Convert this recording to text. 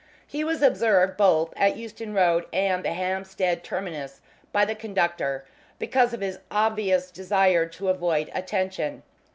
He was observed both at Euston Road and the Hampstead terminus by the conductor, because of his obvious desire to avoid attention.